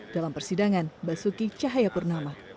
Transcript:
dalam persidangan basuki cahapurnama